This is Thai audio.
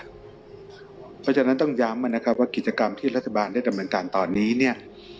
เพราะฉะนั้นต้องย้ำนะครับว่ากิจกรรมที่รัฐบาลได้ดำเนินการตอนนี้เนี่ย